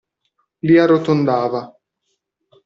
Li arrotondava.